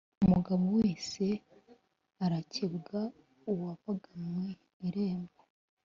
umugabo wese arakebwa uwavaga mu irembo